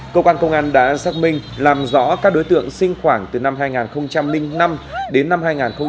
cơ quan công an đã xác minh làm rõ các đối tượng sinh khoảng từ năm hai nghìn năm đến năm hai nghìn bảy